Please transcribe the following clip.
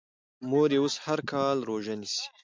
مور یې اوس هر کال روژه نیسي.